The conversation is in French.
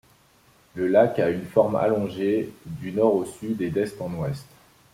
Le lac a une forme allongé; du nord au sud, et d'est en ouest.